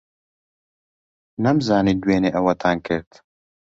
نەمزانی دوێنێ ئەوەتان کرد.